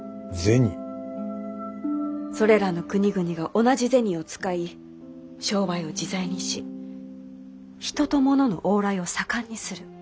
それらの国々が同じ銭を使い商売を自在にし人と物の往来を盛んにする。